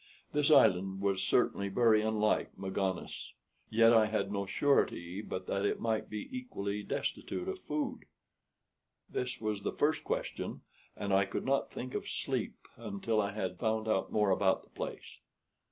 This island was certainly very unlike Magones, yet I had no surety but that it might be equally destitute of food. This was the first question, and I could not think of sleep until I had found out more about the place.